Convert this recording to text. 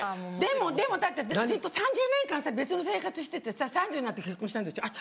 でもだって３０年間さ別の生活しててさ３０歳になって結婚したんでしょあっ